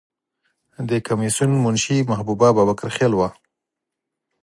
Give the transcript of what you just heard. د کمیسیون منشی محبوبه بابکر خیل وه.